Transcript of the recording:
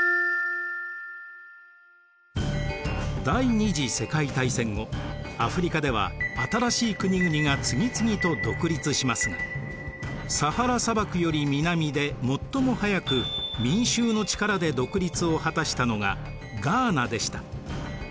第二次世界大戦後アフリカでは新しい国々が次々と独立しますがサハラ砂漠より南で最も早く民衆の力で独立を果たしたのがガーナでした。